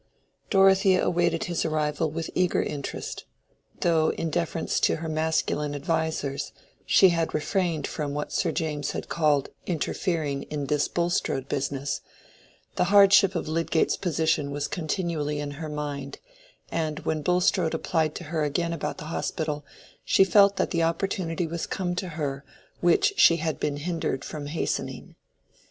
Dorothea awaited his arrival with eager interest. Though, in deference to her masculine advisers, she had refrained from what Sir James had called "interfering in this Bulstrode business," the hardship of Lydgate's position was continually in her mind, and when Bulstrode applied to her again about the hospital, she felt that the opportunity was come to her which she had been hindered from hastening.